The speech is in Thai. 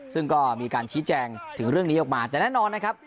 ซึ่งก็มีการชี้แจงถึงเรื่องนี้ออกมาแต่แน่นอนนะครับ